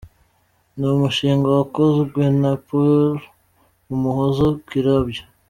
Ni umushinga wakozwe na Pearl Umuhoza Kirabyo.